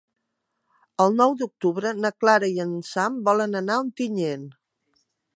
El nou d'octubre na Cira i en Sam volen anar a Ontinyent.